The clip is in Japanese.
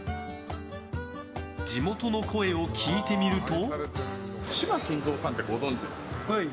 地元の声を聞いてみると。